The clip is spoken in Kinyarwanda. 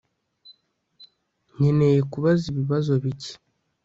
Nkeneye kubaza ibibazo bike